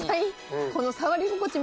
この触り心地